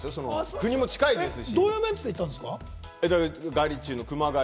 国も近いですし。